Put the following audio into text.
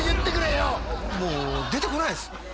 もう出てこないです